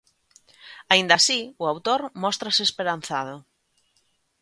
Aínda así, o autor móstrase esperanzado.